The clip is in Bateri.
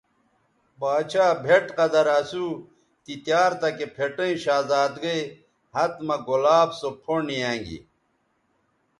باڇھا بھئٹ قدر اسو تی تیار تکے پھٹیئں شہزادگئ ھت مہ گلاب سو پھنڈ یانگی